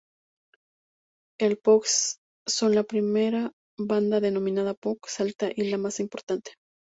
The Pogues son la primera banda denominada punk celta y la más importante.